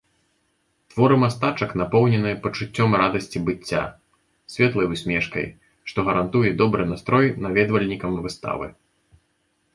Творы мастачак напоўненыя пачуццём радасці быцця, светлай усмешкай, што гарантуе добры настрой наведвальнікам выставы.